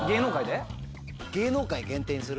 芸能界限定にする？